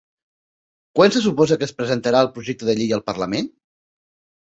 Quan se suposa que es presentarà el projecte de llei al parlament?